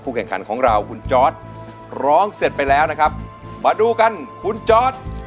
แข่งขันของเราคุณจอร์ดร้องเสร็จไปแล้วนะครับมาดูกันคุณจอร์ด